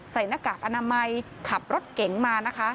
หน้ากากอนามัยขับรถเก๋งมานะคะ